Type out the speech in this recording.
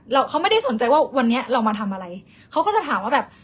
เราเขาไม่ได้สนใจว่าวันนี้เรามาทำอะไรเขาก็จะถามว่าแบบ